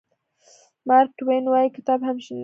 مارک ټواین وایي کتاب همېشنۍ ملګری دی.